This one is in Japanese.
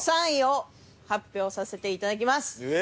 ３位を発表させていただきます。